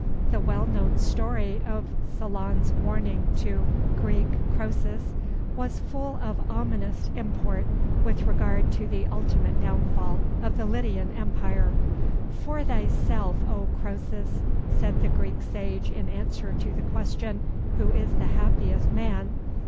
The well known story of Solon's warning to [Greek: Croesus] was full of ominous import with regard to the ultimate downfall of the Lydian Empire: "For thyself, O Croesus," said the Greek sage in answer to the question, "Who is the happiest man?"